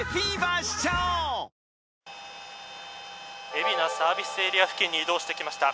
海老名サービスエリア付近に移動してきました。